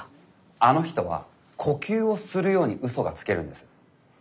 あの人は呼吸をするように嘘がつけるんです。